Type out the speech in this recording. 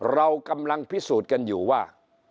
เรากำลังพิสูจน์กันอยู่ว่า